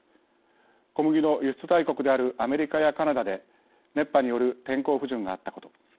小麦の輸出大国であるアメリカやカナダで熱波による天候不順があったこと。